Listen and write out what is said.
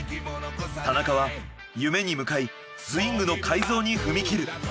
田中は夢に向かいスイングの改造に踏み切る。